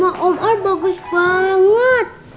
wah rumah om al bagus banget